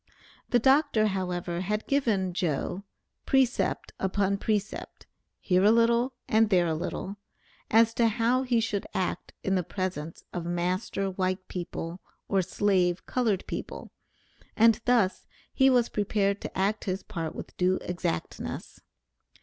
The Dr., however, had given "Joe" precept upon precept, "here a little, and there a little," as to how he should act in the presence of master white people, or slave colored people, and thus he was prepared to act his part with due exactness.